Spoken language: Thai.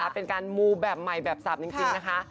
เป็นการมูแบบใหม่แบบสับจริงนะคะ